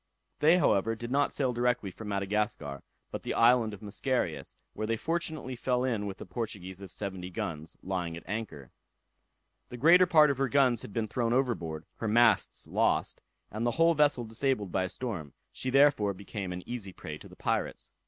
They, however, did not sail directly for Madagascar, but the island of Mascarius, where they fortunately fell in with a Portuguese of seventy guns, lying at anchor. The greater part of her guns had been thrown overboard, her masts lost, and the whole vessel disabled by a storm; she therefore, became an easy prey to the pirates.